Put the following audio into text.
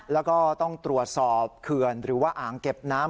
แล้วก็ต้องตรวจสอบเขื่อนหรือว่าอ่างเก็บน้ำ